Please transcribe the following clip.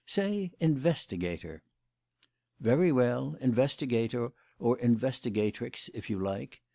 Say investigator." "Very well, investigator or investigatrix, if you like.